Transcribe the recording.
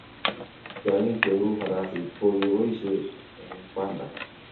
Tiongiing che uu farasit ko keboisie eng banda